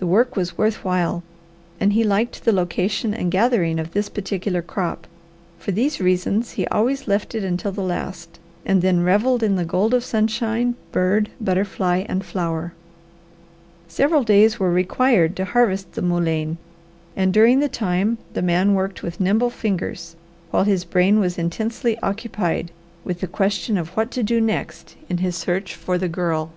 The work was worth while, and he liked the location and gathering of this particular crop: for these reasons he always left it until the last, and then revelled in the gold of sunshine, bird, butterfly, and flower. Several days were required to harvest the mullein and during the time the man worked with nimble fingers, while his brain was intensely occupied with the question of what to do next in his search for the Girl.